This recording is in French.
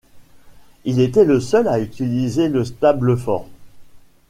Il était le seul à utiliser le Stableford.